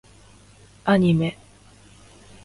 アニメ